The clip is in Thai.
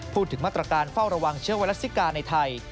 พูดถึงมาตรการเฝ้าระวังเชื้อไวรัสซิกาในไทย